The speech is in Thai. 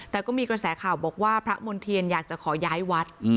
แต่ก็มีกระแสข่าวบอกว่าพระมณ์เทียนอยากจะขอย้ายวัด